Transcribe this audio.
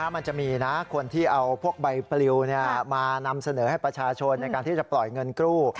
มันจะมีนะคนที่เอาพวกใบปลิวมานำเสนอให้ประชาชนในการที่จะปล่อยเงินกู้